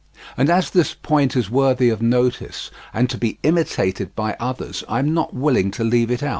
And as this point is worthy of notice, and to be imitated by others, I am not willing to leave it out.